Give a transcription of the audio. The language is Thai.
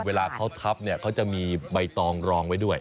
เวลาเขาทับเนี่ยเขาจะมีใบตองรองไว้ด้วย